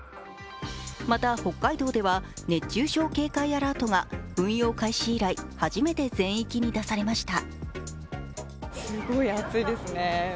また、北海道では熱中症警戒アラートが運用開始以来初めて全域に出されました。